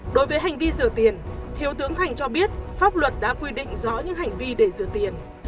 đối với hành vi rửa tiền thiếu tướng thành cho biết pháp luật đã quy định rõ những hành vi để rửa tiền